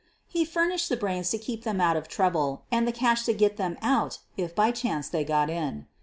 He furnished the brains to keep them out of trouble and the cash to get them out if by chance they got in.